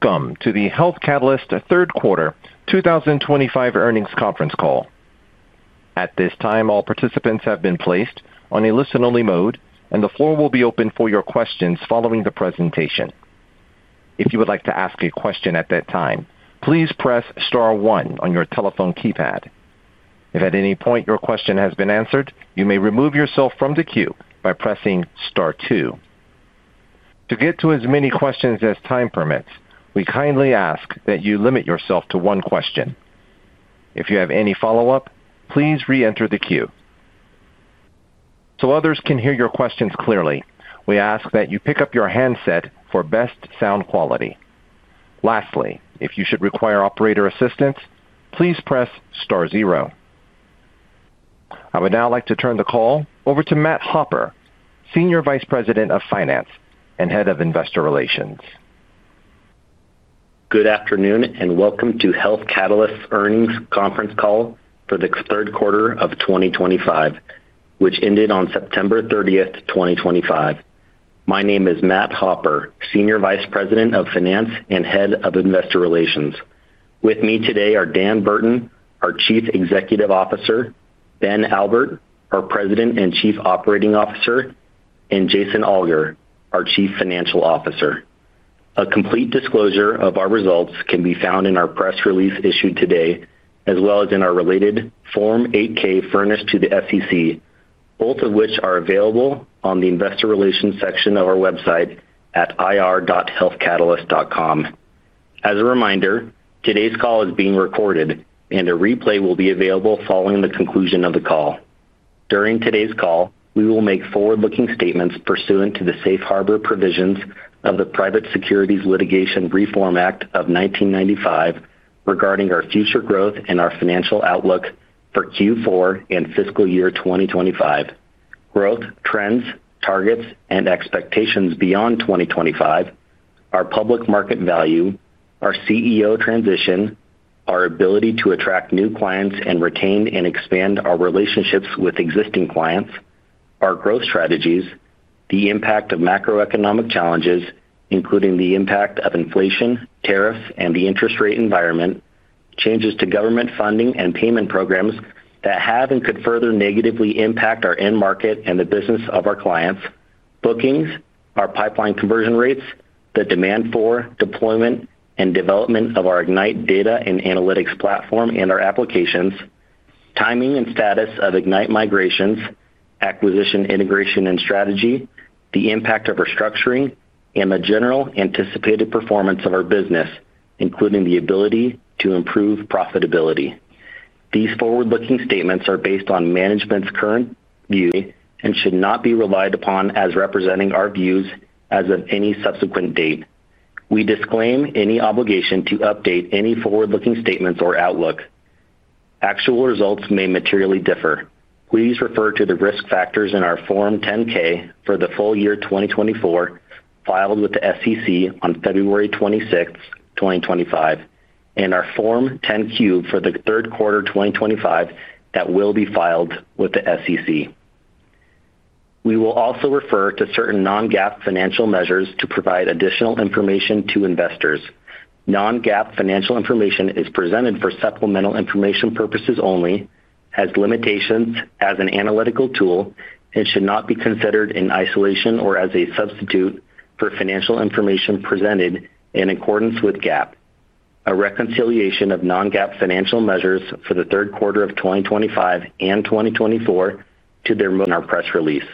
Welcome to the Health Catalyst Third Quarter 2025 Earnings Conference Call. At this time, all participants have been placed on a listen-only mode, and the floor will be open for your questions following the presentation. If you would like to ask a question at that time, please press star one on your telephone keypad. If at any point your question has been answered, you may remove yourself from the queue by pressing star two. To get to as many questions as time permits, we kindly ask that you limit yourself to one question. If you have any follow-up, please re-enter the queue. So others can hear your questions clearly, we ask that you pick up your handset for best sound quality. Lastly, if you should require operator assistance, please press star zero. I would now like to turn the call over to Matt Hopper, Senior Vice President of Finance and Head of Investor Relations. Good afternoon and welcome to Health Catalyst's Earnings Conference Call for the Third Quarter of 2025, which ended on September 30th, 2025. My name is Matt Hopper, Senior Vice President of Finance and Head of Investor Relations. With me today are Dan Burton, our Chief Executive Officer; Ben Albert, our President and Chief Operating Officer; and Jason Alger, our Chief Financial Officer. A complete disclosure of our results can be found in our press release issued today, as well as in our related Form 8-K furnished to the SEC, both of which are available on the Investor Relations section of our website at ir.healthcatalyst.com. As a reminder, today's call is being recorded, and a replay will be available following the conclusion of the call. During today's call, we will make forward-looking statements pursuant to the safe harbor provisions of the Private Securities Litigation Reform Act of 1995 regarding our future growth and our financial outlook for Q4 and fiscal year 2025, growth trends, targets, and expectations beyond 2025, our public market value, our CEO transition, our ability to attract new clients and retain and expand our relationships with existing clients, our growth strategies, the impact of macroeconomic challenges, including the impact of inflation, tariffs, and the interest rate environment, changes to government funding and payment programs that have and could further negatively impact our end market and the business of our clients, bookings, our pipeline conversion rates, the demand for, deployment, and development of our Ignite data and analytics platform and our applications, timing and status of Ignite migrations, acquisition integration and strategy, the impact of restructuring, and the general anticipated performance of our business, including the ability to improve profitability. These forward-looking statements are based on management's current view and should not be relied upon as representing our views as of any subsequent date. We disclaim any obligation to update any forward-looking statements or outlook. Actual results may materially differ. Please refer to the risk factors in our Form 10-K for the full year 2024 filed with the SEC on February 26th, 2025, and our Form 10-Q for the third quarter 2025 that will be filed with the SEC. We will also refer to certain non-GAAP financial measures to provide additional information to investors. Non-GAAP financial information is presented for supplemental information purposes only, has limitations as an analytical tool, and should not be considered in isolation or as a substitute for financial information presented in accordance with GAAP. A reconciliation of non-GAAP financial measures for the third quarter of 2025 and 2024 to their our press release.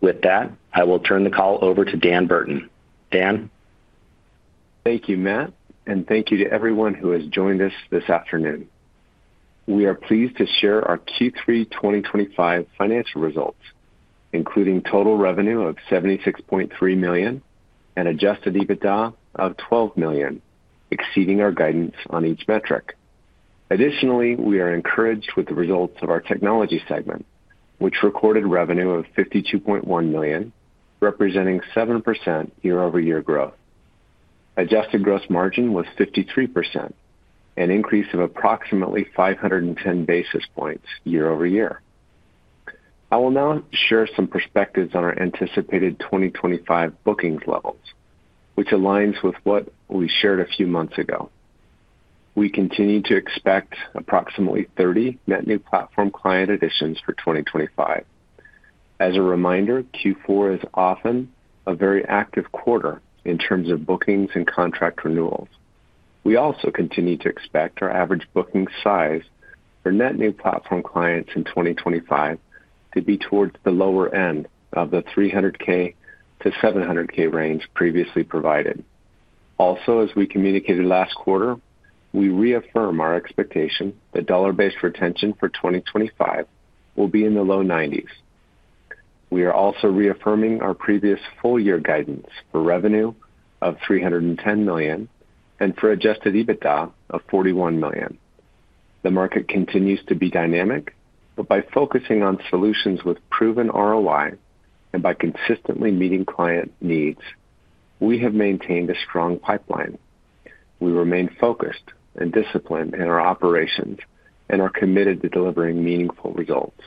With that, I will turn the call over to Dan Burton. Dan. Thank you, Matt, and thank you to everyone who has joined us this afternoon. We are pleased to share our Q3 2025 financial results, including total revenue of $76.3 million and adjusted EBITDA of $12 million, exceeding our guidance on each metric. Additionally, we are encouraged with the results of our technology segment, which recorded revenue of $52.1 million, representing 7% year-over-year growth. Adjusted gross margin was 53%, an increase of approximately 510 basis points year-over-year. I will now share some perspectives on our anticipated 2025 bookings levels, which aligns with what we shared a few months ago. We continue to expect approximately 30 net new platform client additions for 2025. As a reminder, Q4 is often a very active quarter in terms of bookings and contract renewals. We also continue to expect our average booking size for net new platform clients in 2025 to be towards the lower end of the $300,000-$700,000 range previously provided. Also, as we communicated last quarter, we reaffirm our expectation that dollar-based retention for 2025 will be in the low 90%. We are also reaffirming our previous full-year guidance for revenue of $310 million and for adjusted EBITDA of $41 million. The market continues to be dynamic, but by focusing on solutions with proven ROI and by consistently meeting client needs, we have maintained a strong pipeline. We remain focused and disciplined in our operations and are committed to delivering meaningful results.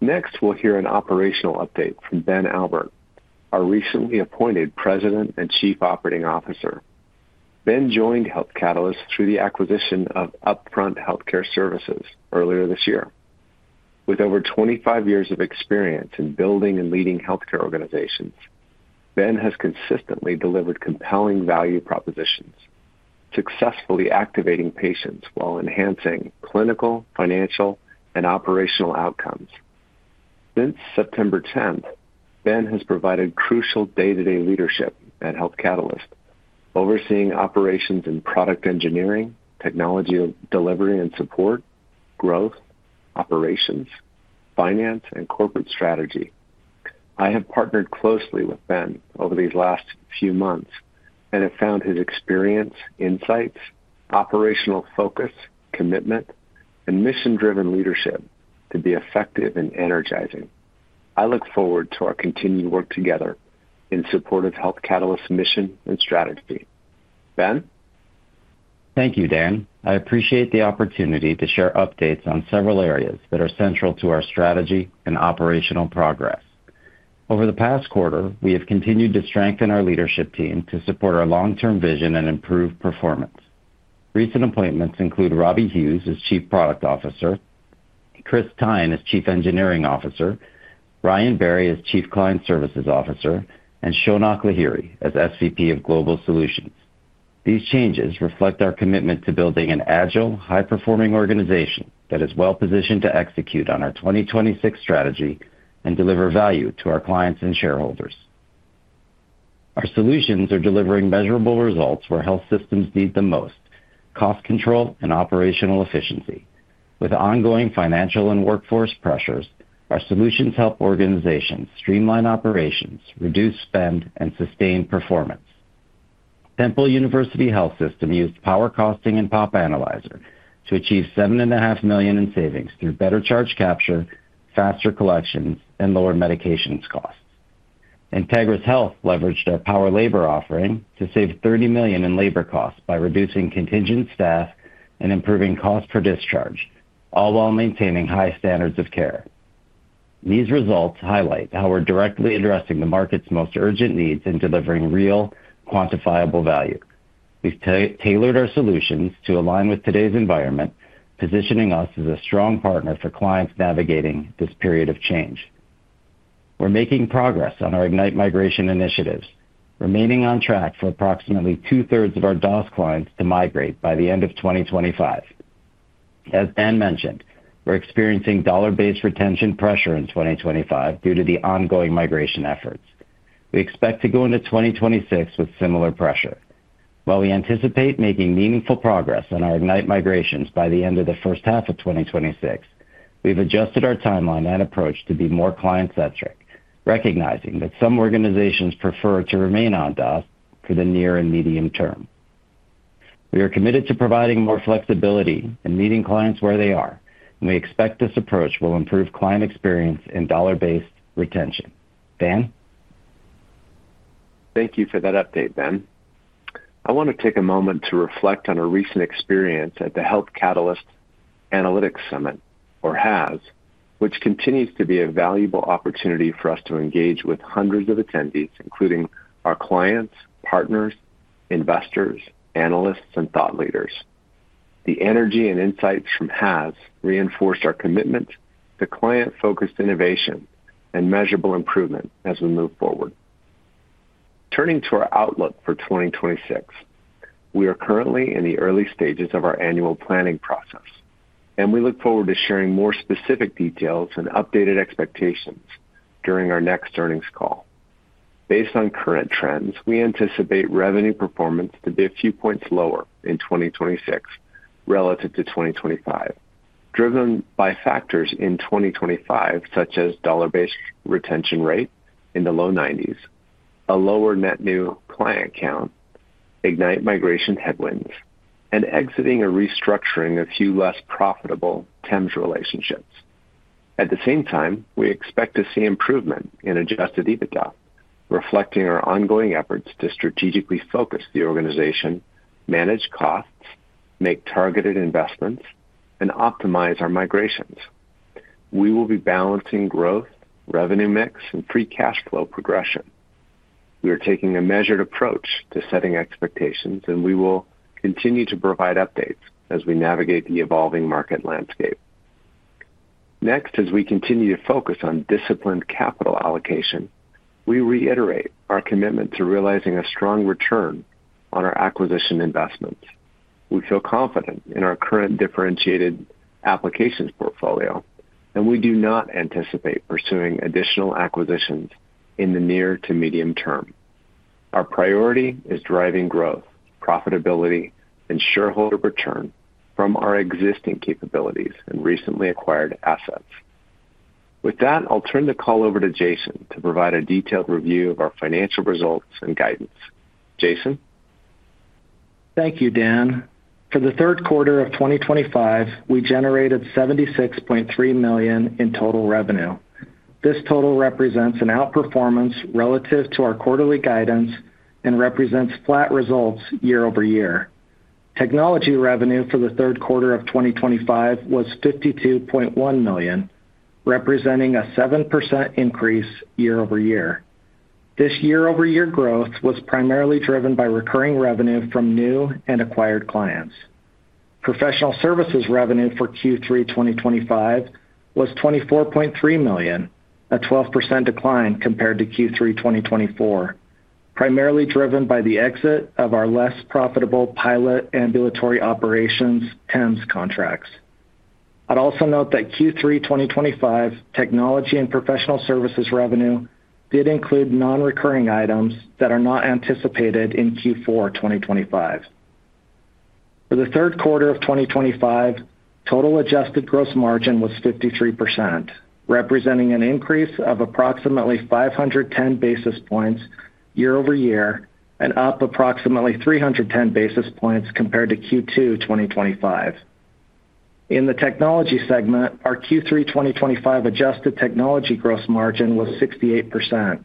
Next, we'll hear an operational update from Ben Albert, our recently appointed President and Chief Operating Officer. Ben joined Health Catalyst through the acquisition of Upfront Healthcare Services earlier this year. With over 25 years of experience in building and leading healthcare organizations, Ben has consistently delivered compelling value propositions, successfully activating patients while enhancing clinical, financial, and operational outcomes. Since September 10th, Ben has provided crucial day-to-day leadership at Health Catalyst, overseeing operations in product engineering, technology delivery and support, growth, operations, finance, and corporate strategy. I have partnered closely with Ben over these last few months and have found his experience, insights, operational focus, commitment, and mission-driven leadership to be effective and energizing. I look forward to our continued work together in support of Health Catalyst's mission and strategy. Ben? Thank you, Dan. I appreciate the opportunity to share updates on several areas that are central to our strategy and operational progress. Over the past quarter, we have continued to strengthen our leadership team to support our long-term vision and improve performance. Recent appointments include Robbie Hughes as Chief Product Officer, Chris Tyne as Chief Engineering Officer, Ryan Berry as Chief Client Services Officer, and Shounak Lahiri as SVP of Global Solutions. These changes reflect our commitment to building an agile, high-performing organization that is well-positioned to execute on our 2026 strategy and deliver value to our clients and shareholders. Our solutions are delivering measurable results where health systems need the most: cost control and operational efficiency. With ongoing financial and workforce pressures, our solutions help organizations streamline operations, reduce spend, and sustain performance. Temple University Health System used Power Costing and Pop Analyzer to achieve $7.5 million in savings through better charge capture, faster collections, and lower medications costs. Integris Health leveraged our Power Labor offering to save $30 million in labor costs by reducing contingent staff and improving cost per discharge, all while maintaining high standards of care. These results highlight how we're directly addressing the market's most urgent needs and delivering real, quantifiable value. We've tailored our solutions to align with today's environment, positioning us as a strong partner for clients navigating this period of change. We're making progress on our Ignite migration initiatives, remaining on track for approximately two-thirds of our DOS clients to migrate by the end of 2025. As Dan mentioned, we're experiencing dollar-based retention pressure in 2025 due to the ongoing migration efforts. We expect to go into 2026 with similar pressure. While we anticipate making meaningful progress on our Ignite migrations by the end of the first half of 2026, we've adjusted our timeline and approach to be more client-centric, recognizing that some organizations prefer to remain on DOS for the near and medium term. We are committed to providing more flexibility and meeting clients where they are, and we expect this approach will improve client experience and dollar-based retention. Dan? Thank you for that update, Ben. I want to take a moment to reflect on our recent experience at the Health Catalyst Analytics Summit, or HAS, which continues to be a valuable opportunity for us to engage with hundreds of attendees, including our clients, partners, investors, analysts, and thought leaders. The energy and insights from HAS reinforced our commitment to client-focused innovation and measurable improvement as we move forward. Turning to our outlook for 2026, we are currently in the early stages of our annual planning process, and we look forward to sharing more specific details and updated expectations during our next earnings call. Based on current trends, we anticipate revenue performance to be a few points lower in 2026 relative to 2025, driven by factors in 2025, such as dollar-based retention rate in the low 90%, a lower net new client count, Ignite migration headwinds, and exiting a restructuring of few less profitable TEMS relationships. At the same time, we expect to see improvement in adjusted EBITDA, reflecting our ongoing efforts to strategically focus the organization, manage costs, make targeted investments, and optimize our migrations. We will be balancing growth, revenue mix, and free cash flow progression. We are taking a measured approach to setting expectations, and we will continue to provide updates as we navigate the evolving market landscape. Next, as we continue to focus on disciplined capital allocation, we reiterate our commitment to realizing a strong return on our acquisition investments. We feel confident in our current differentiated applications portfolio, and we do not anticipate pursuing additional acquisitions in the near to medium term. Our priority is driving growth, profitability, and shareholder return from our existing capabilities and recently acquired assets. With that, I'll turn the call over to Jason to provide a detailed review of our financial results and guidance. Jason? Thank you, Dan. For the third quarter of 2025, we generated $76.3 million in total revenue. This total represents an outperformance relative to our quarterly guidance and represents flat results year-over-year. Technology revenue for the third quarter of 2025 was $52.1 million, representing a 7% increase year-over-year. This year-over-year growth was primarily driven by recurring revenue from new and acquired clients. Professional services revenue for Q3 2025 was $24.3 million, a 12% decline compared to Q3 2024, primarily driven by the exit of our less profitable pilot ambulatory operations TEMS contracts. I'd also note that Q3 2025 technology and professional services revenue did include non-recurring items that are not anticipated in Q4 2025. For the third quarter of 2025, total adjusted gross margin was 53%, representing an increase of approximately 510 basis points year-over-year and up approximately 310 basis points compared to Q2 2025. In the technology segment, our Q3 2025 adjusted technology gross margin was 68%,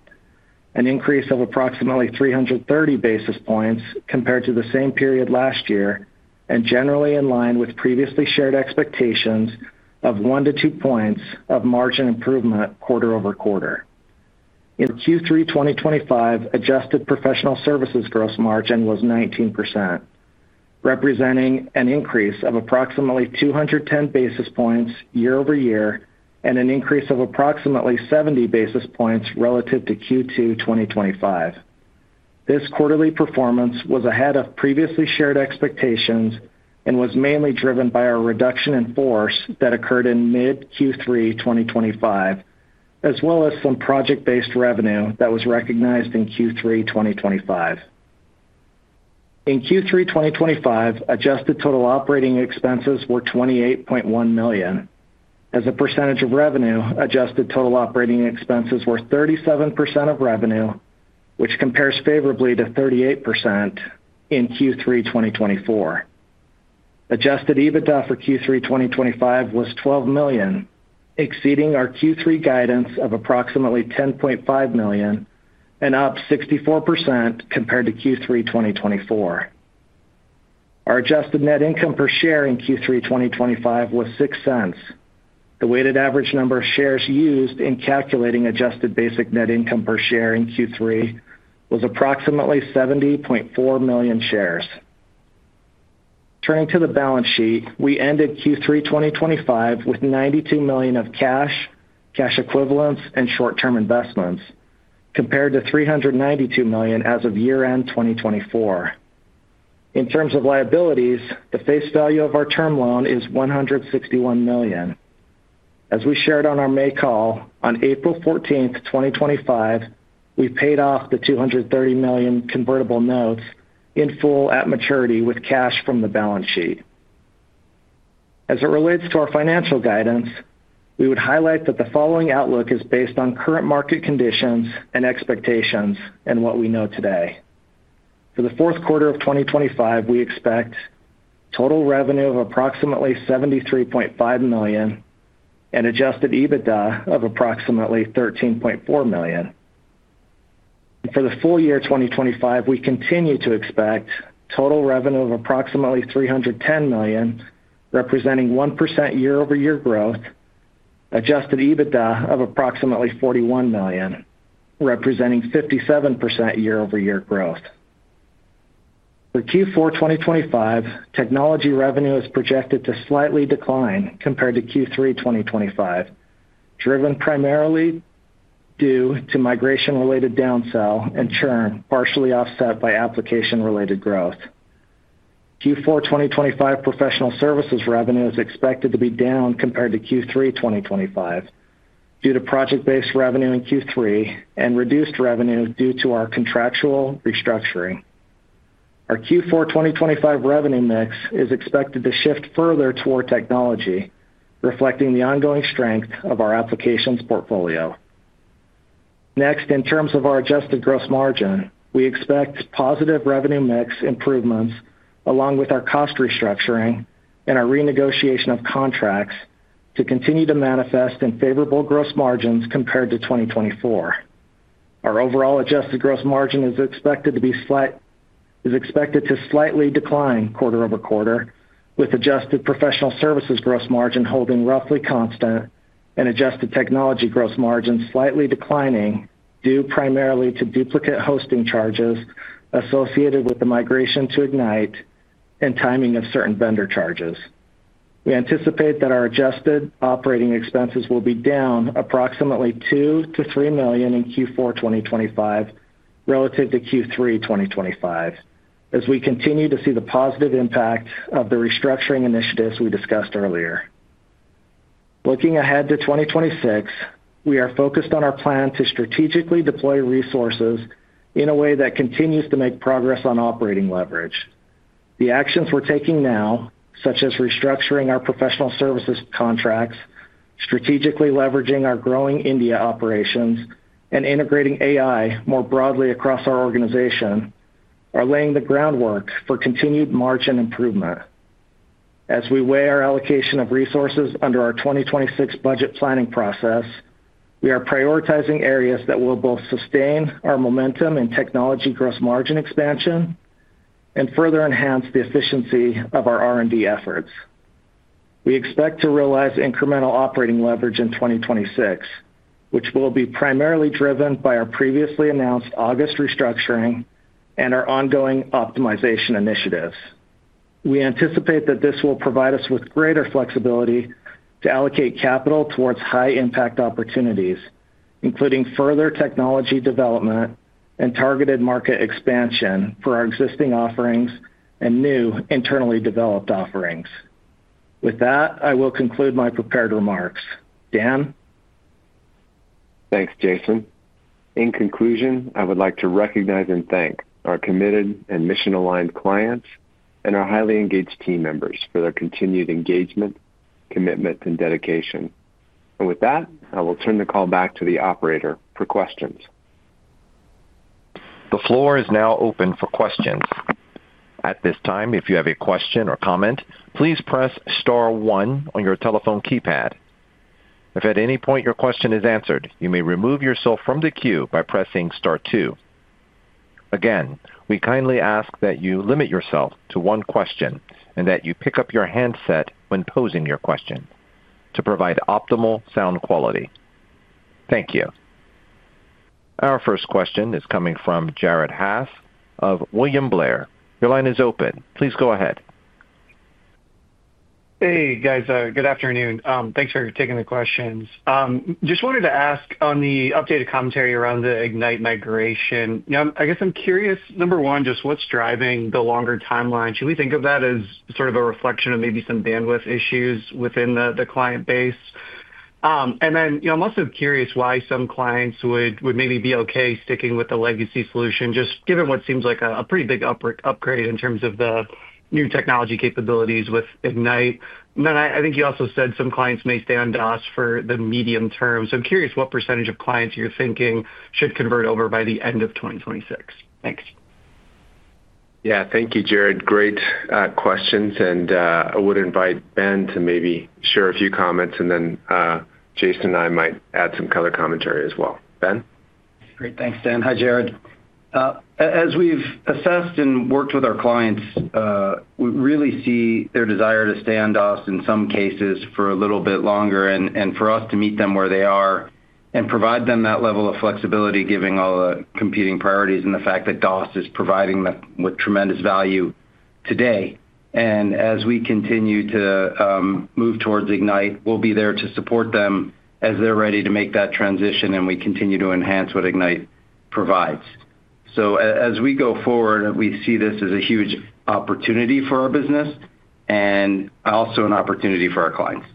an increase of approximately 330 basis points compared to the same period last year and generally in line with previously shared expectations of one to two points of margin improvement quarter over quarter. In Q3 2025, adjusted professional services gross margin was 19%, representing an increase of approximately 210 basis points year-over-year and an increase of approximately 70 basis points relative to Q2 2025. This quarterly performance was ahead of previously shared expectations and was mainly driven by our reduction in force that occurred in mid-Q3 2025, as well as some project-based revenue that was recognized in Q3 2025. In Q3 2025, adjusted total operating expenses were $28.1 million. As a percentage of revenue, adjusted total operating expenses were 37% of revenue, which compares favorably to 38% in Q3 2024. Adjusted EBITDA for Q3 2025 was $12 million, exceeding our Q3 guidance of approximately $10.5 million and up 64% compared to Q3 2024. Our adjusted net income per share in Q3 2025 was $0.06. The weighted average number of shares used in calculating adjusted basic net income per share in Q3 was approximately 70.4 million shares. Turning to the balance sheet, we ended Q3 2025 with $92 million of cash, cash equivalents, and short-term investments, compared to $392 million as of year-end 2024. In terms of liabilities, the face value of our term loan is $161 million. As we shared on our May call, on April 14th, 2025, we paid off the $230 million convertible notes in full at maturity with cash from the balance sheet. As it relates to our financial guidance, we would highlight that the following outlook is based on current market conditions and expectations and what we know today. For the fourth quarter of 2025, we expect total revenue of approximately $73.5 million and adjusted EBITDA of approximately $13.4 million. For the full year 2025, we continue to expect total revenue of approximately $310 million, representing 1% year-over-year growth, adjusted EBITDA of approximately $41 million, representing 57% year-over-year growth. For Q4 2025, technology revenue is projected to slightly decline compared to Q3 2025, driven primarily due to migration-related downsell and churn partially offset by application-related growth. Q4 2025 professional services revenue is expected to be down compared to Q3 2025 due to project-based revenue in Q3 and reduced revenue due to our contractual restructuring. Our Q4 2025 revenue mix is expected to shift further toward technology, reflecting the ongoing strength of our applications portfolio. Next, in terms of our adjusted gross margin, we expect positive revenue mix improvements along with our cost restructuring and our renegotiation of contracts to continue to manifest in favorable gross margins compared to 2024. Our overall adjusted gross margin is expected to slightly decline quarter over quarter, with adjusted professional services gross margin holding roughly constant and adjusted technology gross margin slightly declining due primarily to duplicate hosting charges associated with the migration to Ignite and timing of certain vendor charges. We anticipate that our adjusted operating expenses will be down approximately $2 million-$3 million in Q4 2025 relative to Q3 2025, as we continue to see the positive impact of the restructuring initiatives we discussed earlier. Looking ahead to 2026, we are focused on our plan to strategically deploy resources in a way that continues to make progress on operating leverage. The actions we're taking now, such as restructuring our professional services contracts, strategically leveraging our growing India operations, and integrating AI more broadly across our organization, are laying the groundwork for continued margin improvement. As we weigh our allocation of resources under our 2026 budget planning process, we are prioritizing areas that will both sustain our momentum in technology gross margin expansion and further enhance the efficiency of our R&D efforts. We expect to realize incremental operating leverage in 2026, which will be primarily driven by our previously announced August restructuring and our ongoing optimization initiatives. We anticipate that this will provide us with greater flexibility to allocate capital towards high-impact opportunities, including further technology development and targeted market expansion for our existing offerings and new internally developed offerings. With that, I will conclude my prepared remarks. Dan? Thanks, Jason. In conclusion, I would like to recognize and thank our committed and mission-aligned clients and our highly engaged team members for their continued engagement, commitment, and dedication. With that, I will turn the call back to the operator for questions. The floor is now open for questions. At this time, if you have a question or comment, please press star one on your telephone keypad. If at any point your question is answered, you may remove yourself from the queue by pressing star two. Again, we kindly ask that you limit yourself to one question and that you pick up your handset when posing your question to provide optimal sound quality. Thank you. Our first question is coming from Jared Haase of William Blair. Your line is open. Please go ahead. Hey, guys. Good afternoon. Thanks for taking the questions. Just wanted to ask on the updated commentary around the Ignite migration. I guess I'm curious, number one, just what's driving the longer timeline? Should we think of that as sort of a reflection of maybe some bandwidth issues within the client base? I'm also curious why some clients would maybe be okay sticking with the legacy solution, just given what seems like a pretty big upgrade in terms of the new technology capabilities with Ignite. I think you also said some clients may stay on DOS for the medium term. I'm curious what percentage of clients you're thinking should convert over by the end of 2026. Thanks. Yeah, thank you, Jared. Great questions. I would invite Ben to maybe share a few comments, and then Jason and I might add some color commentary as well. Ben? Great. Thanks, Dan. Hi, Jared. As we've assessed and worked with our clients, we really see their desire to stay on DOS in some cases for a little bit longer and for us to meet them where they are and provide them that level of flexibility, given all the competing priorities and the fact that DOS is providing them with tremendous value today. As we continue to move towards Ignite, we'll be there to support them as they're ready to make that transition and we continue to enhance what Ignite provides. As we go forward, we see this as a huge opportunity for our business and also an opportunity for our clients.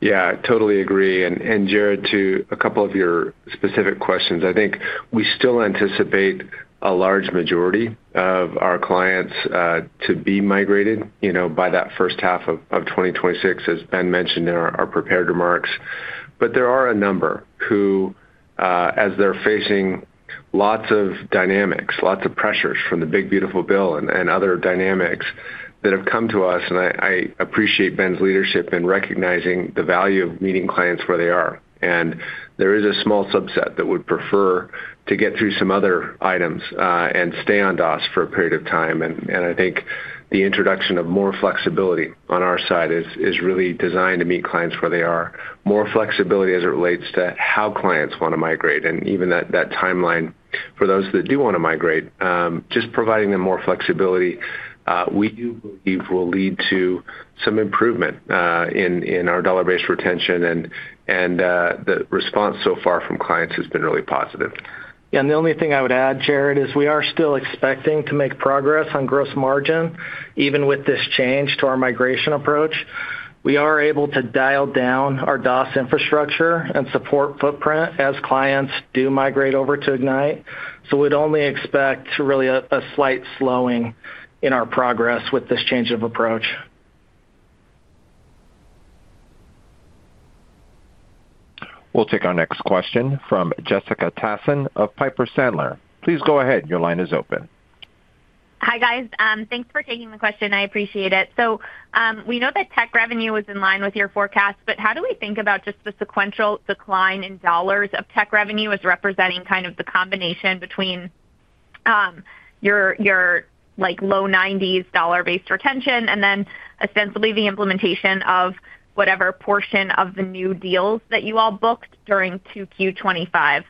Yeah, totally agree. Jared, to a couple of your specific questions, I think we still anticipate a large majority of our clients to be migrated by that first half of 2026, as Ben mentioned in our prepared remarks. There are a number who, as they're facing lots of dynamics, lots of pressures from the big, beautiful bill and other dynamics that have come to us. I appreciate Ben's leadership in recognizing the value of meeting clients where they are. There is a small subset that would prefer to get through some other items and stay on DOS for a period of time. I think the introduction of more flexibility on our side is really designed to meet clients where they are. More flexibility as it relates to how clients want to migrate and even that timeline for those that do want to migrate, just providing them more flexibility, we do believe will lead to some improvement in our dollar-based retention. The response so far from clients has been really positive. Yeah, and the only thing I would add, Jared, is we are still expecting to make progress on gross margin, even with this change to our migration approach. We are able to dial down our DOS infrastructure and support footprint as clients do migrate over to Ignite. We'd only expect really a slight slowing in our progress with this change of approach. We'll take our next question from Jessica Tassan of Piper Sandler. Please go ahead. Your line is open. Hi, guys. Thanks for taking the question. I appreciate it. We know that tech revenue was in line with your forecast, but how do we think about just the sequential decline in dollars of tech revenue as representing kind of the combination between your low 90% dollar-based retention and then essentially the implementation of whatever portion of the new deals that you all booked during Q2 2025?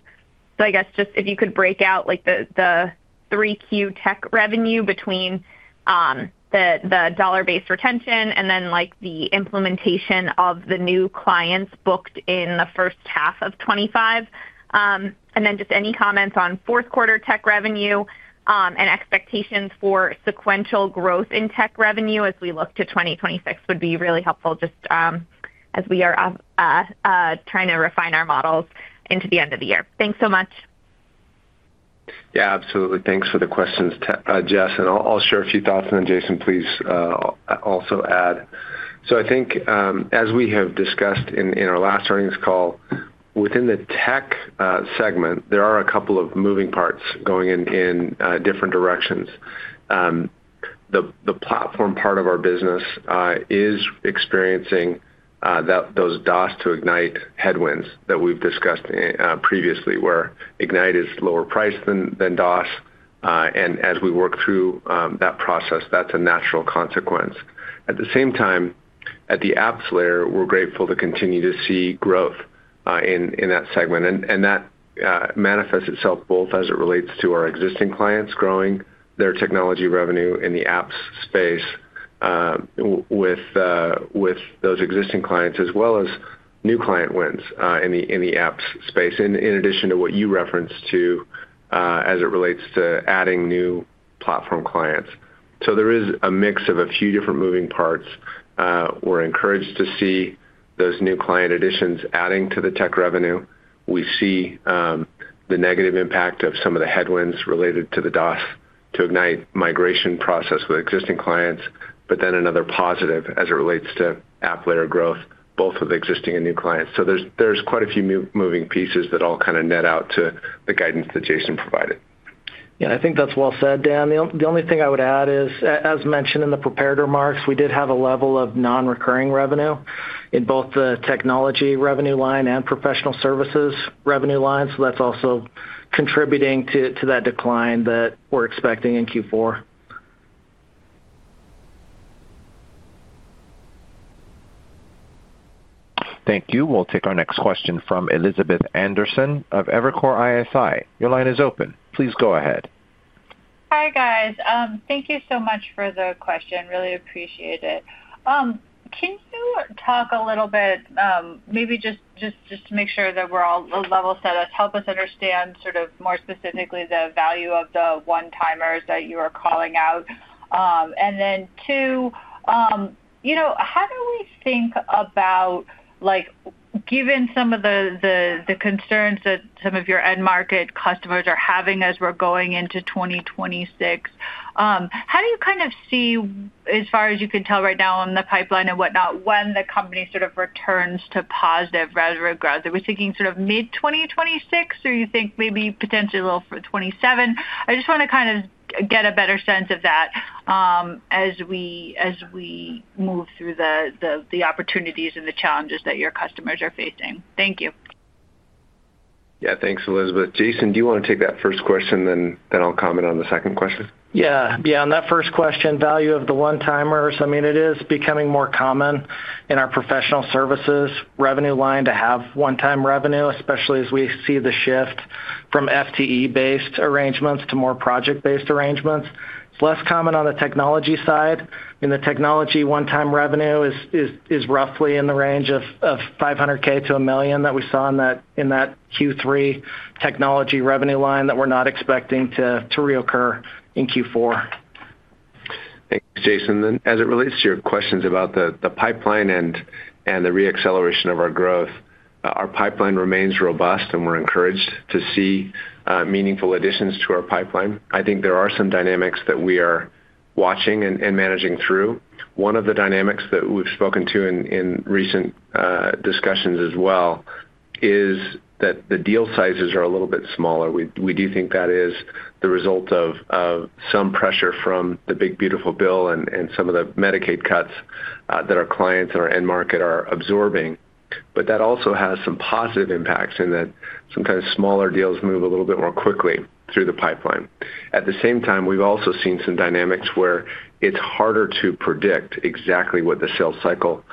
I guess just if you could break out the Q3 tech revenue between the dollar-based retention and then the implementation of the new clients booked in the first half of 2025. Any comments on fourth-quarter tech revenue and expectations for sequential growth in tech revenue as we look to 2026 would be really helpful just as we are trying to refine our models into the end of the year. Thanks so much. Yeah, absolutely. Thanks for the questions, Jess. I'll share a few thoughts. Jason, please also add. I think as we have discussed in our last earnings call, within the tech segment, there are a couple of moving parts going in different directions. The platform part of our business is experiencing those DOS to Ignite headwinds that we've discussed previously, where Ignite is lower priced than DOS. As we work through that process, that's a natural consequence. At the same time, at the apps layer, we're grateful to continue to see growth in that segment. That manifests itself both as it relates to our existing clients growing their technology revenue in the apps space with those existing clients, as well as new client wins in the apps space, in addition to what you referenced to as it relates to adding new platform clients. There is a mix of a few different moving parts. We're encouraged to see those new client additions adding to the tech revenue. We see the negative impact of some of the headwinds related to the DOS to Ignite migration process with existing clients, but then another positive as it relates to app layer growth, both with existing and new clients. There are quite a few moving pieces that all kind of net out to the guidance that Jason provided. Yeah, I think that's well said, Dan. The only thing I would add is, as mentioned in the prepared remarks, we did have a level of non-recurring revenue in both the technology revenue line and professional services revenue line. So that's also contributing to that decline that we're expecting in Q4. Thank you. We'll take our next question from Elizabeth Anderson of Evercore ISI. Your line is open. Please go ahead. Hi, guys. Thank you so much for the question. Really appreciate it. Can you talk a little bit, maybe just to make sure that we're all level set? Help us understand sort of more specifically the value of the one-timers that you are calling out. And then two, how do we think about, given some of the concerns that some of your end market customers are having as we're going into 2026, how do you kind of see, as far as you can tell right now on the pipeline and whatnot, when the company sort of returns to positive revenue growth? Are we thinking sort of mid-2026, or do you think maybe potentially a little for 2027? I just want to kind of get a better sense of that as we move through the opportunities and the challenges that your customers are facing. Thank you. Yeah, thanks, Elizabeth. Jason, do you want to take that first question, then I'll comment on the second question? Yeah. Yeah, on that first question, value of the one-timers. I mean, it is becoming more common in our professional services revenue line to have one-time revenue, especially as we see the shift from FTE-based arrangements to more project-based arrangements. It's less common on the technology side. I mean, the technology one-time revenue is roughly in the range of $500,000 to $1 million that we saw in that Q3 technology revenue line that we're not expecting to reoccur in Q4. Thanks, Jason. As it relates to your questions about the pipeline and the re-acceleration of our growth, our pipeline remains robust, and we're encouraged to see meaningful additions to our pipeline. I think there are some dynamics that we are watching and managing through. One of the dynamics that we've spoken to in recent discussions as well is that the deal sizes are a little bit smaller. We do think that is the result of some pressure from the big, beautiful bill and some of the Medicaid cuts that our clients and our end market are absorbing. That also has some positive impacts in that sometimes smaller deals move a little bit more quickly through the pipeline. At the same time, we've also seen some dynamics where it's harder to predict exactly what the sales cycle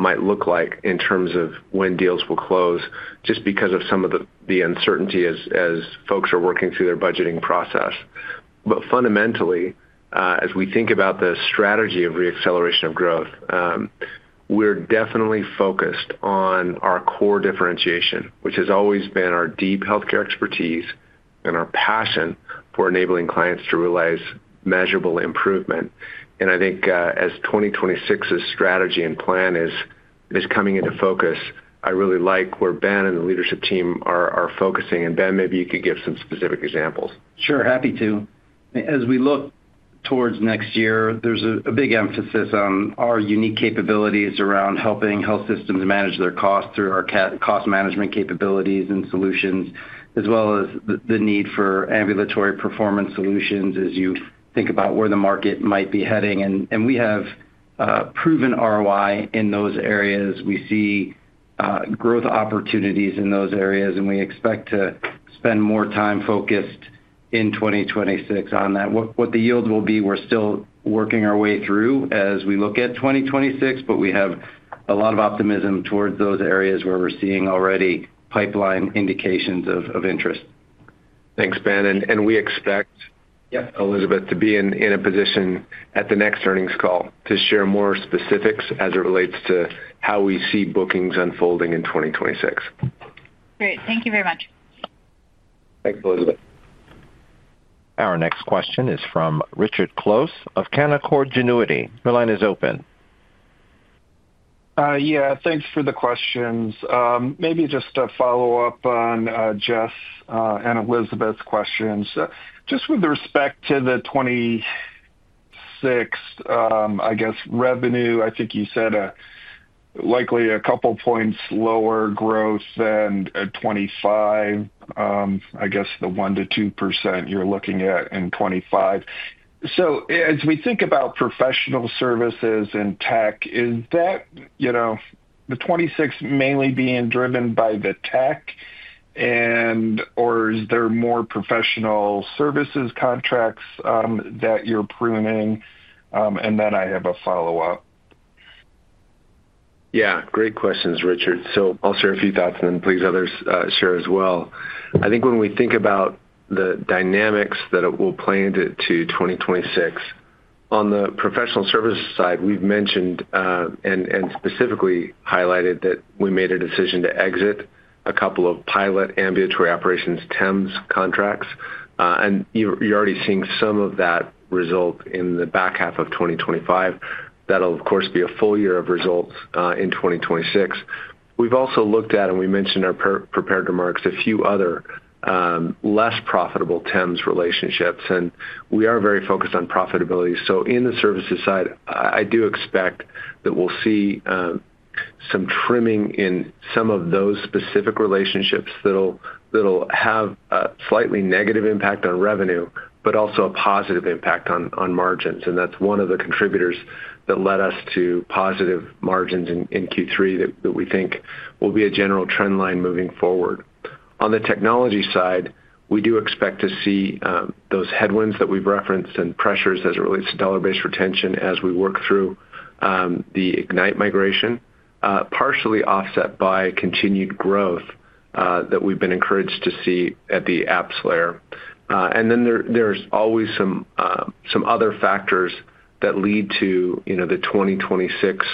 might look like in terms of when deals will close just because of some of the uncertainty as folks are working through their budgeting process. Fundamentally, as we think about the strategy of re-acceleration of growth, we're definitely focused on our core differentiation, which has always been our deep healthcare expertise and our passion for enabling clients to realize measurable improvement. I think as 2026's strategy and plan is coming into focus, I really like where Ben and the leadership team are focusing. Ben, maybe you could give some specific examples. Sure, happy to. As we look towards next year, there is a big emphasis on our unique capabilities around helping health systems manage their costs through our cost management capabilities and solutions, as well as the need for ambulatory performance solutions as you think about where the market might be heading. We have proven ROI in those areas. We see growth opportunities in those areas, and we expect to spend more time focused in 2026 on that. What the yield will be, we are still working our way through as we look at 2026, but we have a lot of optimism towards those areas where we are seeing already pipeline indications of interest. Thanks, Ben. We expect, Elizabeth, to be in a position at the next earnings call to share more specifics as it relates to how we see bookings unfolding in 2026. Great. Thank you very much. Thanks, Elizabeth. Our next question is from Richard Close of Canaccord Genuity. Your line is open. Yeah, thanks for the questions. Maybe just a follow-up on Jess and Elizabeth's questions. Just with respect to the 2026, I guess, revenue, I think you said likely a couple points lower growth than 2025, I guess the 1%-2% you're looking at in 2025. As we think about professional services and tech, is that 2026 mainly being driven by the tech, or is there more professional services contracts that you're pruning? I have a follow-up. Yeah, great questions, Richard. So I'll share a few thoughts, and then please others share as well. I think when we think about the dynamics that it will play into 2026, on the professional services side, we've mentioned and specifically highlighted that we made a decision to exit a couple of pilot ambulatory operations TEMS contracts. And you're already seeing some of that result in the back half of 2025. That'll, of course, be a full year of results in 2026. We've also looked at, and we mentioned in our prepared remarks, a few other less profitable TEMS relationships. And we are very focused on profitability. So in the services side, I do expect that we'll see some trimming in some of those specific relationships that'll have a slightly negative impact on revenue, but also a positive impact on margins. That's one of the contributors that led us to positive margins in Q3 that we think will be a general trend line moving forward. On the technology side, we do expect to see those headwinds that we've referenced and pressures as it relates to dollar-based retention as we work through the Ignite migration, partially offset by continued growth that we've been encouraged to see at the apps layer. There are always some other factors that lead to the 2026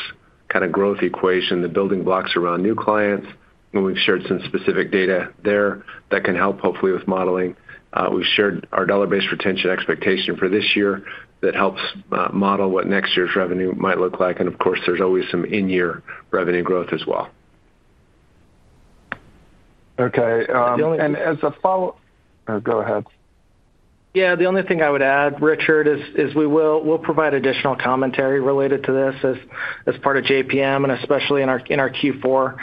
kind of growth equation, the building blocks around new clients. We've shared some specific data there that can help, hopefully, with modeling. We've shared our dollar-based retention expectation for this year that helps model what next year's revenue might look like. Of course, there's always some in-year revenue growth as well. Okay. As a follow-up, go ahead. Yeah, the only thing I would add, Richard, is we'll provide additional commentary related to this as part of JPM, and especially in our Q4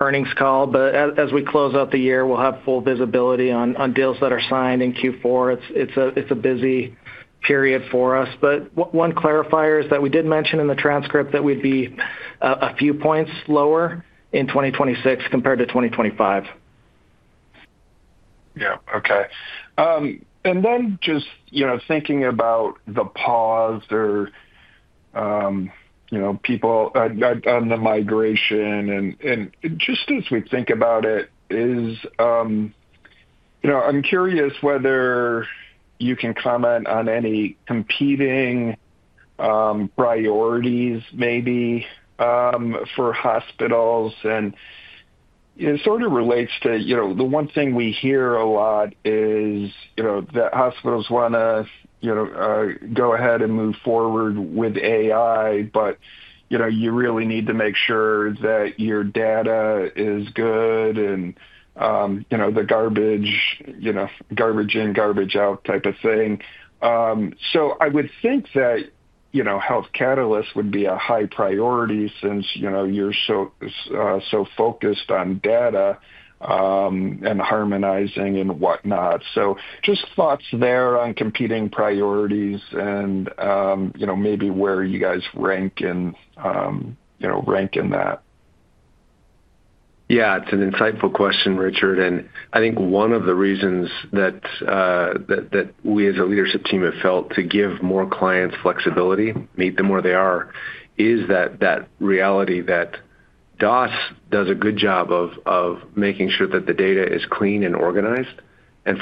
earnings call. As we close out the year, we'll have full visibility on deals that are signed in Q4. It's a busy period for us. One clarifier is that we did mention in the transcript that we'd be a few points lower in 2026 compared to 2025. Yeah, okay. And then just thinking about the pause or people on the migration, and just as we think about it, I'm curious whether you can comment on any competing priorities maybe for hospitals. It sort of relates to the one thing we hear a lot is that hospitals want to go ahead and move forward with AI, but you really need to make sure that your data is good and the garbage in, garbage out type of thing. I would think that Health Catalyst would be a high priority since you're so focused on data and harmonizing and whatnot. Just thoughts there on competing priorities and maybe where you guys rank in that. Yeah, it's an insightful question, Richard. I think one of the reasons that we as a leadership team have felt to give more clients flexibility, meet them where they are, is that reality that DOS does a good job of making sure that the data is clean and organized.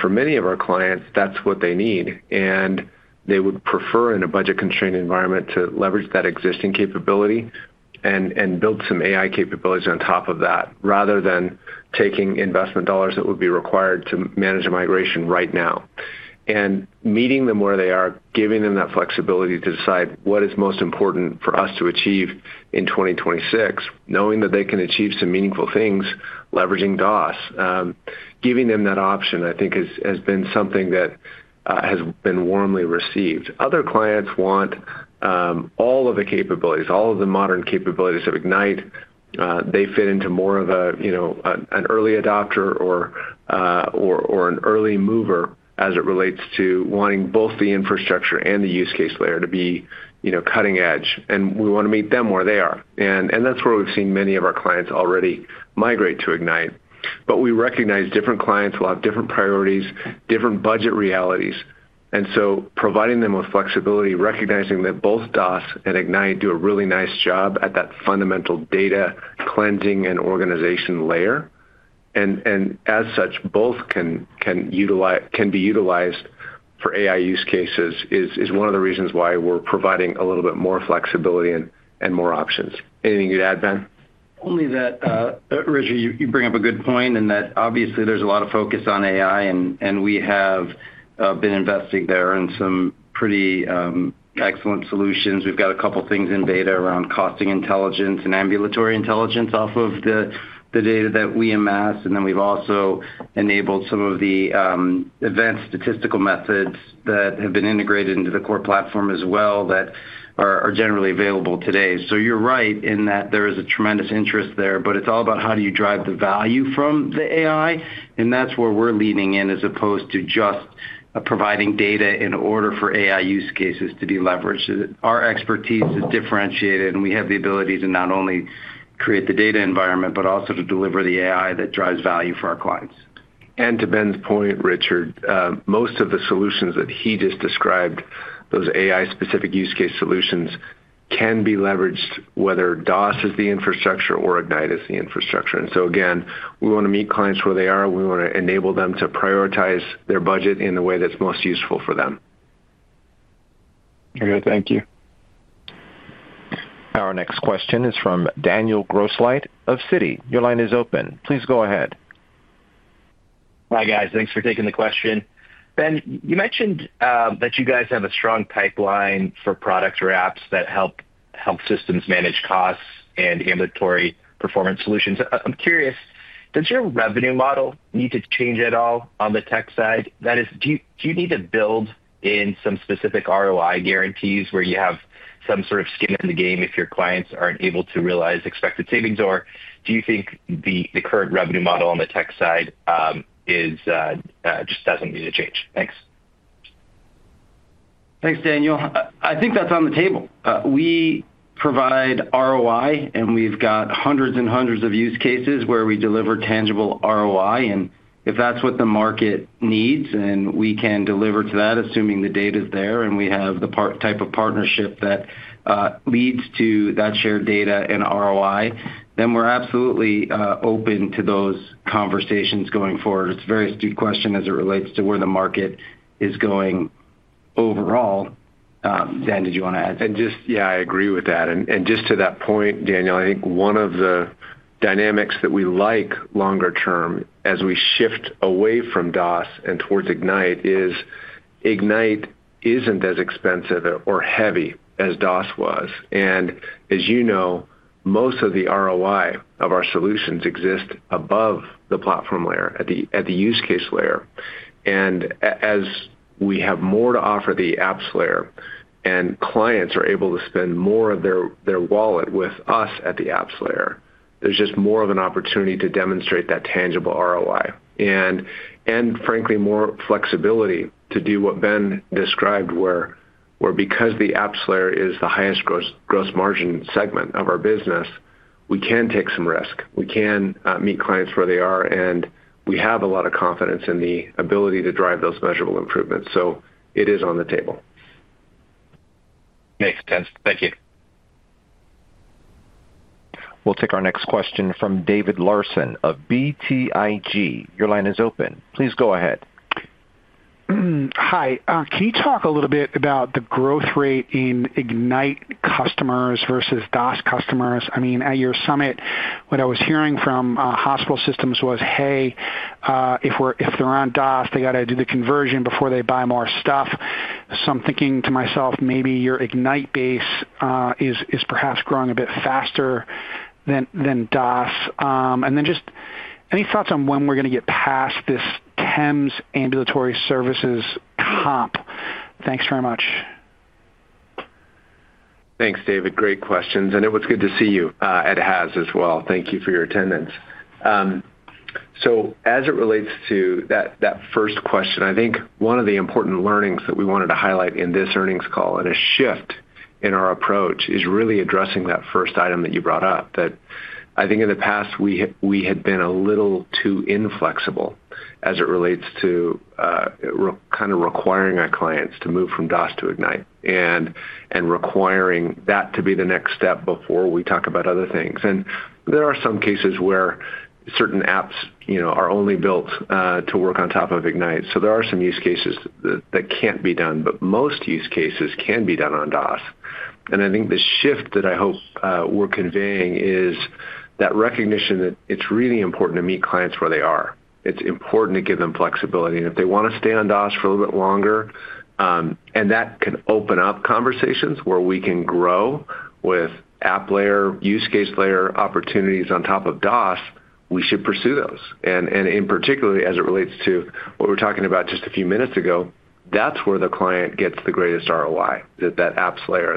For many of our clients, that's what they need. They would prefer, in a budget-constrained environment, to leverage that existing capability and build some AI capabilities on top of that rather than taking investment dollars that would be required to manage a migration right now. Meeting them where they are, giving them that flexibility to decide what is most important for us to achieve in 2026, knowing that they can achieve some meaningful things, leveraging DOS, giving them that option, I think, has been something that has been warmly received. Other clients want all of the capabilities, all of the modern capabilities of Ignite. They fit into more of an early adopter or an early mover as it relates to wanting both the infrastructure and the use case layer to be cutting edge. We want to meet them where they are. That's where we've seen many of our clients already migrate to Ignite. We recognize different clients will have different priorities, different budget realities. Providing them with flexibility, recognizing that both DOS and Ignite do a really nice job at that fundamental data cleansing and organization layer, and as such, both can be utilized for AI use cases, is one of the reasons why we're providing a little bit more flexibility and more options. Anything you'd add, Ben? Only that, Richard, you bring up a good point in that obviously there's a lot of focus on AI, and we have been investing there in some pretty excellent solutions. We've got a couple of things in beta around Costing Intelligence and Ambulatory Intelligence off of the data that we amass. We've also enabled some of the advanced statistical methods that have been integrated into the core platform as well that are generally available today. You're right in that there is a tremendous interest there, but it's all about how do you drive the value from the AI? That's where we're leaning in as opposed to just providing data in order for AI use cases to be leveraged. Our expertise is differentiated, and we have the ability to not only create the data environment, but also to deliver the AI that drives value for our clients. To Ben's point, Richard, most of the solutions that he just described, those AI-specific use case solutions, can be leveraged whether DOS is the infrastructure or Ignite is the infrastructure. We want to meet clients where they are. We want to enable them to prioritize their budget in the way that's most useful for them. Okay, thank you. Our next question is from Daniel Grosslight of Citi. Your line is open. Please go ahead. Hi, guys. Thanks for taking the question. Ben, you mentioned that you guys have a strong pipeline for products or apps that help systems manage costs and ambulatory performance solutions. I'm curious, does your revenue model need to change at all on the tech side? That is, do you need to build in some specific ROI guarantees where you have some sort of skin in the game if your clients aren't able to realize expected savings? Or do you think the current revenue model on the tech side just doesn't need to change? Thanks. Thanks, Daniel. I think that's on the table. We provide ROI, and we've got hundreds and hundreds of use cases where we deliver tangible ROI. If that's what the market needs and we can deliver to that, assuming the data is there and we have the type of partnership that leads to that shared data and ROI, then we're absolutely open to those conversations going forward. It's a very astute question as it relates to where the market is going overall. Dan, did you want to add something? Yeah, I agree with that. Just to that point, Daniel, I think one of the dynamics that we like longer term as we shift away from DOS and towards Ignite is Ignite isn't as expensive or heavy as DOS was. As you know, most of the ROI of our solutions exists above the platform layer, at the use case layer. As we have more to offer at the apps layer and clients are able to spend more of their wallet with us at the apps layer, there's just more of an opportunity to demonstrate that tangible ROI. Frankly, more flexibility to do what Ben described, where because the apps layer is the highest gross margin segment of our business, we can take some risk. We can meet clients where they are, and we have a lot of confidence in the ability to drive those measurable improvements. So it is on the table. Makes sense. Thank you. We'll take our next question from David Larsen of BTIG. Your line is open. Please go ahead. Hi. Can you talk a little bit about the growth rate in Ignite customers versus DOS customers? I mean, at your summit, what I was hearing from hospital systems was, "Hey, if they're on DOS, they got to do the conversion before they buy more stuff." I’m thinking to myself, maybe your Ignite base is perhaps growing a bit faster than DOS. Any thoughts on when we're going to get past this TEMS ambulatory services HARP? Thanks very much. Thanks, David. Great questions. It was good to see you at HAS as well. Thank you for your attendance. As it relates to that first question, I think one of the important learnings that we wanted to highlight in this earnings call and a shift in our approach is really addressing that first item that you brought up. I think in the past, we had been a little too inflexible as it relates to kind of requiring our clients to move from DOS to Ignite and requiring that to be the next step before we talk about other things. There are some cases where certain apps are only built to work on top of Ignite. There are some use cases that cannot be done, but most use cases can be done on DOS. I think the shift that I hope we're conveying is that recognition that it's really important to meet clients where they are. It's important to give them flexibility. If they want to stay on DOS for a little bit longer, and that can open up conversations where we can grow with app layer, use case layer opportunities on top of DOS, we should pursue those. In particular, as it relates to what we were talking about just a few minutes ago, that's where the client gets the greatest ROI, that apps layer.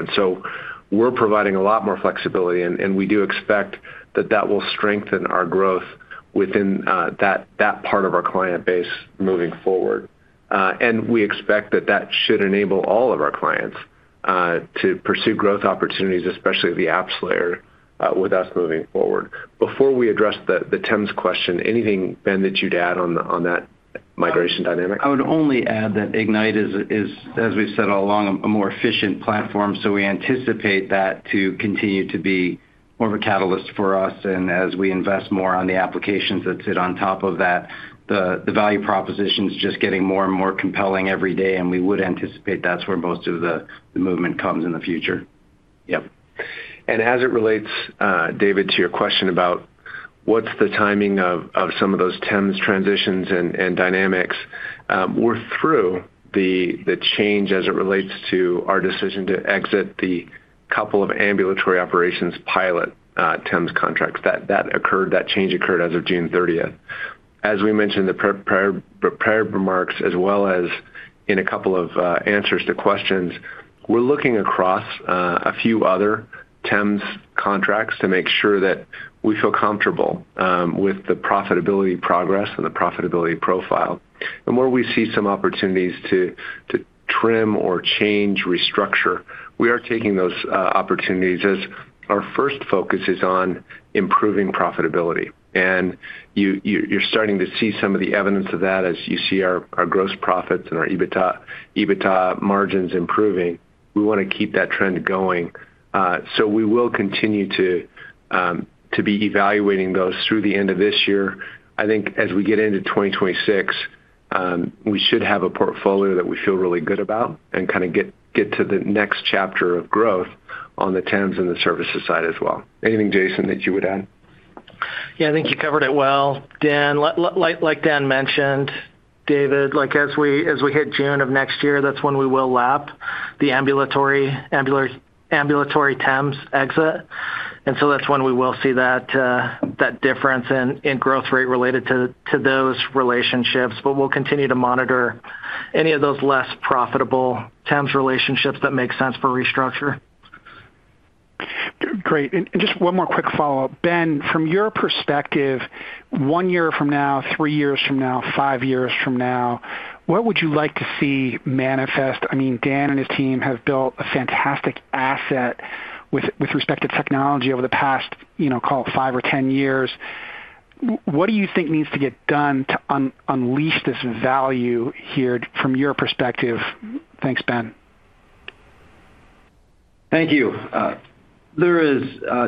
We are providing a lot more flexibility. We do expect that that will strengthen our growth within that part of our client base moving forward. We expect that that should enable all of our clients to pursue growth opportunities, especially the apps layer, with us moving forward. Before we address the TEMS question, anything, Ben, that you'd add on that migration dynamic? I would only add that Ignite is, as we've said all along, a more efficient platform. We anticipate that to continue to be more of a catalyst for us. As we invest more on the applications that sit on top of that, the value proposition is just getting more and more compelling every day. We would anticipate that's where most of the movement comes in the future. Yep. As it relates, David, to your question about what's the timing of some of those TEMS transitions and dynamics, we're through the change as it relates to our decision to exit the couple of ambulatory operations pilot TEMS contracts. That change occurred as of June 30th. As we mentioned in the prior remarks, as well as in a couple of answers to questions, we're looking across a few other TEMS contracts to make sure that we feel comfortable with the profitability progress and the profitability profile. Where we see some opportunities to trim or change, restructure, we are taking those opportunities as our first focus is on improving profitability. You're starting to see some of the evidence of that as you see our gross profits and our EBITDA margins improving. We want to keep that trend going. We will continue to be evaluating those through the end of this year. I think as we get into 2026, we should have a portfolio that we feel really good about and kind of get to the next chapter of growth on the TEMS and the services side as well. Anything, Jason, that you would add? Yeah, I think you covered it well. Dan, like Dan mentioned, David, as we hit June of next year, that's when we will lap the ambulatory TEMS exit. That's when we will see that difference in growth rate related to those relationships. We'll continue to monitor any of those less profitable TEMS relationships that make sense for restructure. Great. Just one more quick follow-up. Ben, from your perspective, one year from now, three years from now, five years from now, what would you like to see manifest? I mean, Dan and his team have built a fantastic asset with respect to technology over the past, call it, five or ten years. What do you think needs to get done to unleash this value here from your perspective? Thanks, Ben. Thank you. There is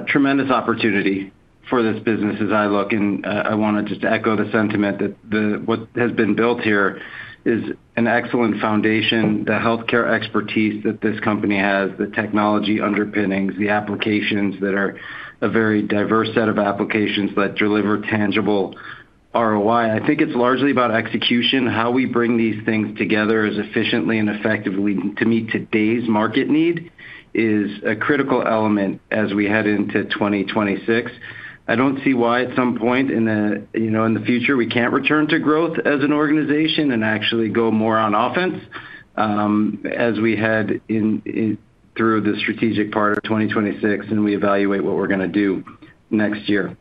tremendous opportunity for this business as I look. I want to just echo the sentiment that what has been built here is an excellent foundation, the healthcare expertise that this company has, the technology underpinnings, the applications that are a very diverse set of applications that deliver tangible ROI. I think it's largely about execution. How we bring these things together as efficiently and effectively to meet today's market need is a critical element as we head into 2026. I don't see why at some point in the future we can't return to growth as an organization and actually go more on offense as we head through the strategic part of 2026 and we evaluate what we're going to do next year.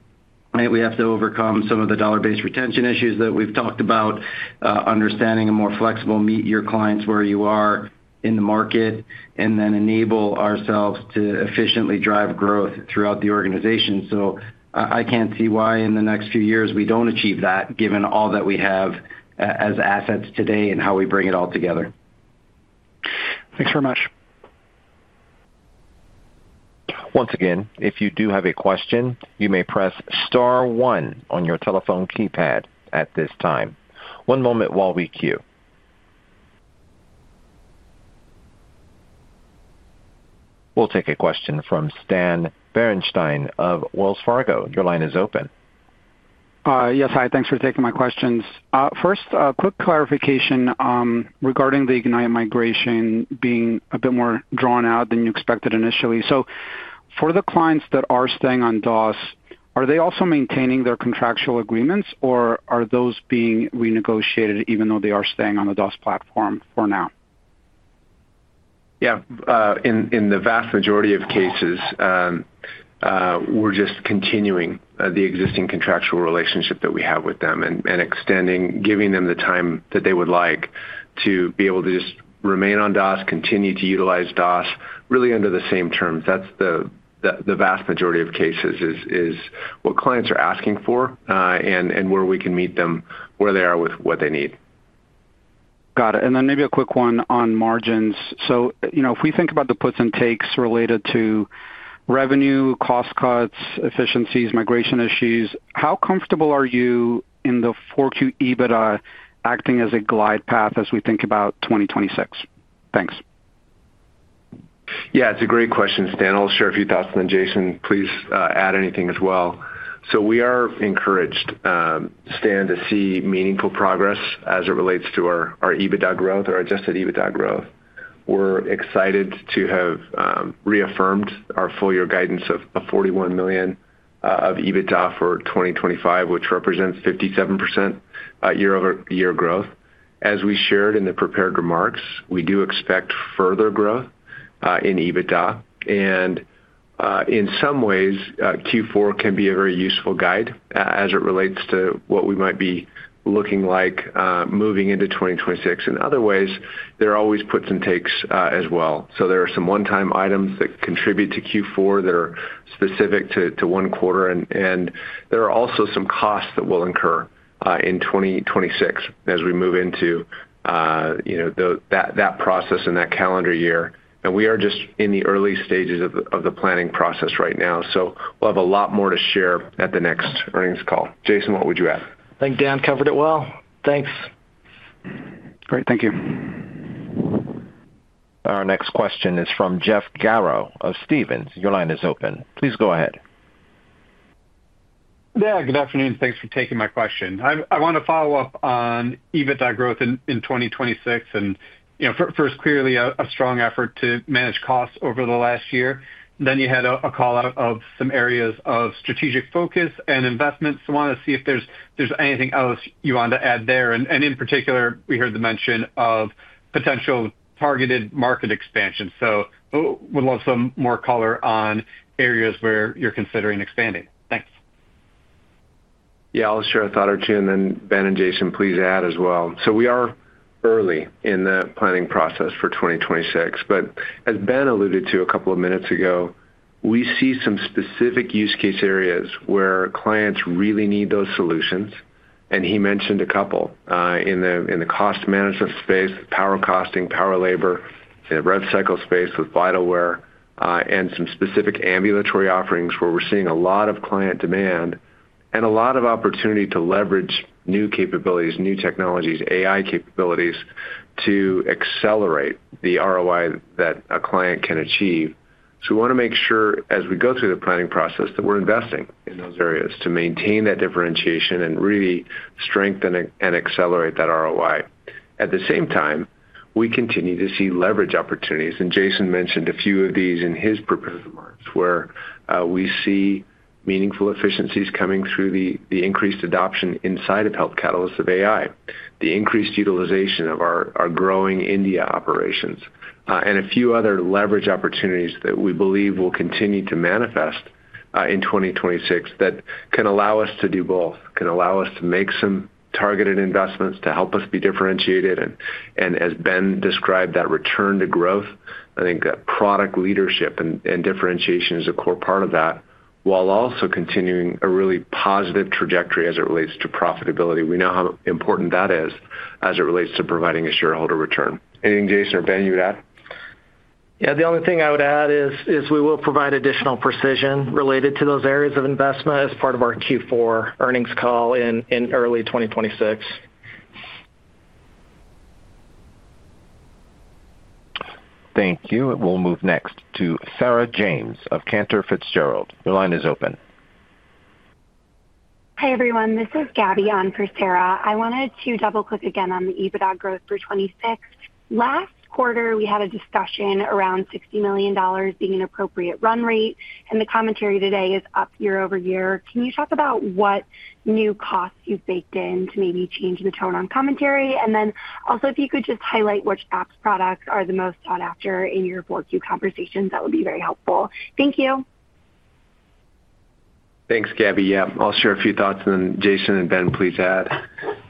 We have to overcome some of the dollar-based retention issues that we've talked about, understanding a more flexible, meet your clients where you are in the market, and then enable ourselves to efficiently drive growth throughout the organization. I can't see why in the next few years we don't achieve that, given all that we have as assets today and how we bring it all together. Thanks very much. Once again, if you do have a question, you may press star one on your telephone keypad at this time. One moment while we queue. We'll take a question from Stan Berenshteyn of Wells Fargo. Your line is open. Yes, hi. Thanks for taking my questions. First, a quick clarification regarding the Ignite migration being a bit more drawn out than you expected initially. For the clients that are staying on DOS, are they also maintaining their contractual agreements, or are those being renegotiated even though they are staying on the DOS platform for now? Yeah. In the vast majority of cases, we're just continuing the existing contractual relationship that we have with them and giving them the time that they would like to be able to just remain on DOS, continue to utilize DOS, really under the same terms. That's the vast majority of cases is what clients are asking for and where we can meet them where they are with what they need. Got it. Maybe a quick one on margins. If we think about the puts and takes related to revenue, cost cuts, efficiencies, migration issues, how comfortable are you in the 4Q EBITDA acting as a glide path as we think about 2026? Thanks. Yeah, it's a great question, Stan. I'll share a few thoughts. Jason, please add anything as well. We are encouraged, Stan, to see meaningful progress as it relates to our EBITDA growth or adjusted EBITDA growth. We're excited to have reaffirmed our full year guidance of $41 million of EBITDA for 2025, which represents 57% year-over-year growth. As we shared in the prepared remarks, we do expect further growth in EBITDA. In some ways, Q4 can be a very useful guide as it relates to what we might be looking like moving into 2026. In other ways, there are always puts and takes as well. There are some one-time items that contribute to Q4 that are specific to one quarter. There are also some costs that will incur in 2026 as we move into that process and that calendar year. We are just in the early stages of the planning process right now. We will have a lot more to share at the next earnings call. Jason, what would you add? I think Dan covered it well. Thanks. Great. Thank you. Our next question is from Jeff Garro of Stephens. Your line is open. Please go ahead. Yeah. Good afternoon. Thanks for taking my question. I want to follow up on EBITDA growth in 2026. First, clearly, a strong effort to manage costs over the last year. You had a call out of some areas of strategic focus and investment. I want to see if there's anything else you wanted to add there. In particular, we heard the mention of potential targeted market expansion. Would love some more color on areas where you're considering expanding. Thanks. Yeah. I'll share a thought or two. And then, Ben and Jason, please add as well. We are early in the planning process for 2026. As Ben alluded to a couple of minutes ago, we see some specific use case areas where clients really need those solutions. He mentioned a couple in the cost management space, Power Costing, Power Labor, the rev cycle space with Vitalware, and some specific ambulatory offerings where we're seeing a lot of client demand and a lot of opportunity to leverage new capabilities, new technologies, AI capabilities to accelerate the ROI that a client can achieve. We want to make sure as we go through the planning process that we're investing in those areas to maintain that differentiation and really strengthen and accelerate that ROI. At the same time, we continue to see leverage opportunities. Jason mentioned a few of these in his prepared remarks where we see meaningful efficiencies coming through the increased adoption inside of Health Catalyst of AI, the increased utilization of our growing India operations, and a few other leverage opportunities that we believe will continue to manifest in 2026 that can allow us to do both, can allow us to make some targeted investments to help us be differentiated. As Ben described, that return to growth, I think that product leadership and differentiation is a core part of that, while also continuing a really positive trajectory as it relates to profitability. We know how important that is as it relates to providing a shareholder return. Anything, Jason or Ben, you would add? Yeah. The only thing I would add is we will provide additional precision related to those areas of investment as part of our Q4 earnings call in early 2026. Thank you. We'll move next to Sarah James of Cantor Fitzgerald. Your line is open. Hi, everyone. This is Gabie on for Sarah. I wanted to double-click again on the EBITDA growth for 2026. Last quarter, we had a discussion around $60 million being an appropriate run rate. The commentary today is up year-over-year. Can you talk about what new costs you've baked in to maybe change the tone on commentary? If you could just highlight which app products are the most sought after in your 4Q conversations, that would be very helpful. Thank you. Thanks, Gabie. Yeah. I'll share a few thoughts. Jason and Ben, please add.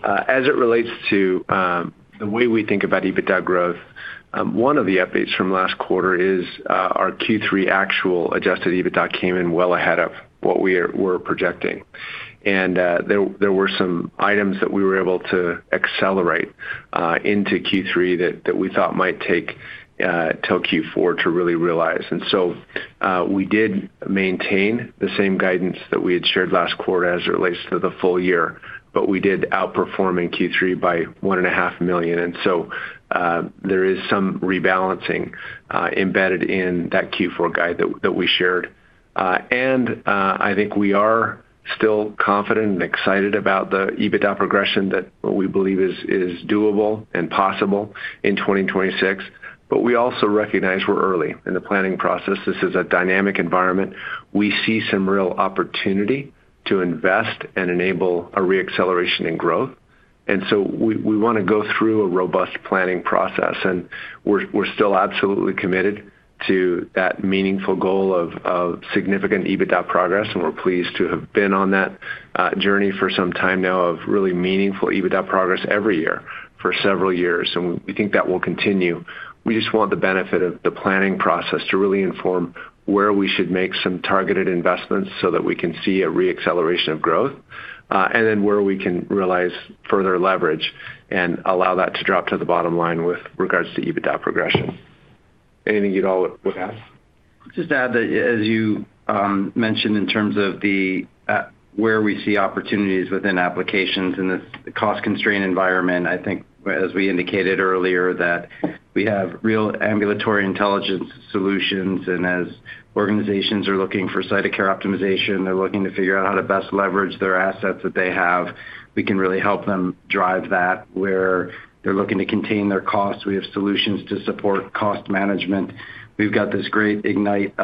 As it relates to the way we think about EBITDA growth, one of the updates from last quarter is our Q3 actual adjusted EBITDA came in well ahead of what we were projecting. There were some items that we were able to accelerate into Q3 that we thought might take till Q4 to really realize. We did maintain the same guidance that we had shared last quarter as it relates to the full year, but we did outperform in Q3 by $1.5 million. There is some rebalancing embedded in that Q4 guide that we shared. I think we are still confident and excited about the EBITDA progression that we believe is doable and possible in 2026. We also recognize we're early in the planning process. This is a dynamic environment. We see some real opportunity to invest and enable a reacceleration in growth. We want to go through a robust planning process. We are still absolutely committed to that meaningful goal of significant EBITDA progress. We are pleased to have been on that journey for some time now of really meaningful EBITDA progress every year for several years. We think that will continue. We just want the benefit of the planning process to really inform where we should make some targeted investments so that we can see a reacceleration of growth and then where we can realize further leverage and allow that to drop to the bottom line with regards to EBITDA progression. Anything you'd all would add? Just add that, as you mentioned, in terms of where we see opportunities within applications in the cost-constrained environment, I think, as we indicated earlier, that we have real Ambulatory Intelligence solutions. As organizations are looking for site-of-care optimization, they're looking to figure out how to best leverage their assets that they have. We can really help them drive that where they're looking to contain their costs. We have solutions to support cost management. We've got this great Ignite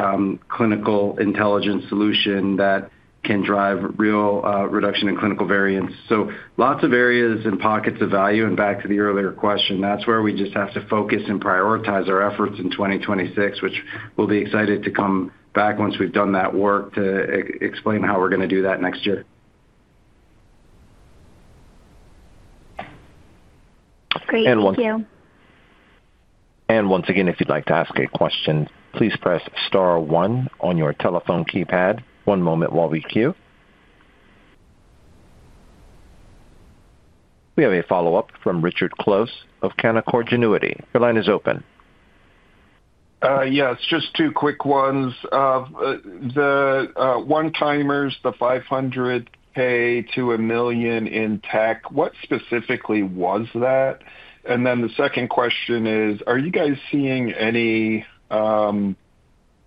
Clinical Intelligence solution that can drive real reduction in clinical variance. Lots of areas and pockets of value. Back to the earlier question, that's where we just have to focus and prioritize our efforts in 2026, which we'll be excited to come back once we've done that work to explain how we're going to do that next year. Great. Thank you. Once again, if you'd like to ask a question, please press star one on your telephone keypad. One moment while we queue. We have a follow-up from Richard Close of Canaccord Genuity. Your line is open. Yeah. It's just two quick ones. The one-timers, the $500,000 to $1 million in tech, what specifically was that? The second question is, are you guys seeing any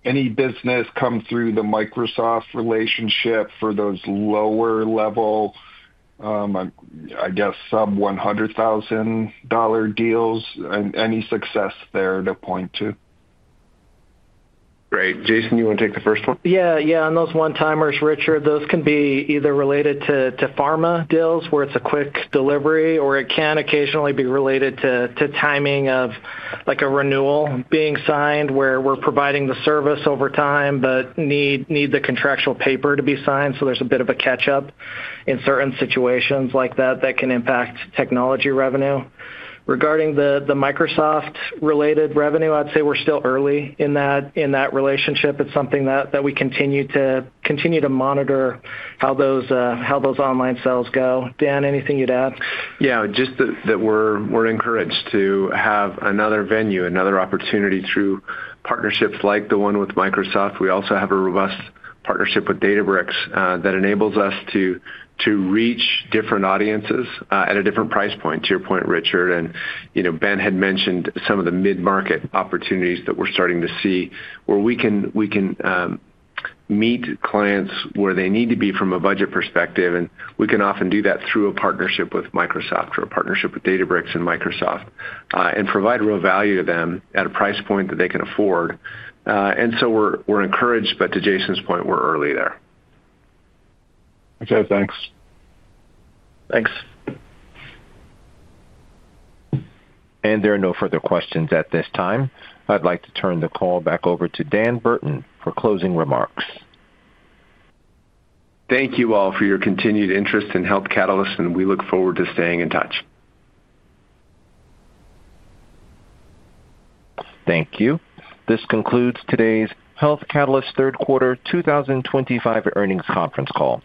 business come through the Microsoft relationship for those lower-level, I guess, sub-$100,000 deals? Any success there to point to? Great. Jason, you want to take the first one? Yeah. Yeah. On those one-timers, Richard, those can be either related to pharma deals where it's a quick delivery, or it can occasionally be related to timing of a renewal being signed where we're providing the service over time but need the contractual paper to be signed. There is a bit of a catch-up in certain situations like that that can impact technology revenue. Regarding the Microsoft-related revenue, I'd say we're still early in that relationship. It's something that we continue to monitor how those online sales go. Dan, anything you'd add? Yeah. Just that we're encouraged to have another venue, another opportunity through partnerships like the one with Microsoft. We also have a robust partnership with Databricks that enables us to reach different audiences at a different price point, to your point, Richard. Ben had mentioned some of the mid-market opportunities that we're starting to see where we can meet clients where they need to be from a budget perspective. We can often do that through a partnership with Microsoft or a partnership with Databricks and Microsoft and provide real value to them at a price point that they can afford. We're encouraged. To Jason's point, we're early there. Okay. Thanks. Thanks. There are no further questions at this time. I'd like to turn the call back over to Dan Burton for closing remarks. Thank you all for your continued interest in Health Catalyst, and we look forward to staying in touch. Thank you. This concludes today's Health Catalyst Third Quarter 2025 Earnings Conference Call.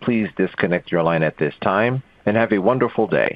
Please disconnect your line at this time and have a wonderful day.